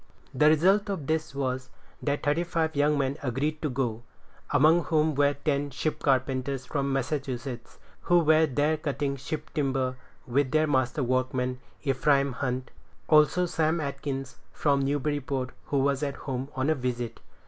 The result of this was, that thirty five young men agreed to go, among whom were ten ship carpenters from Massachusetts, who were there cutting ship timber, with their master workman, Ephraim Hunt; also, Sam Atkins, from Newburyport, who was at home on a visit.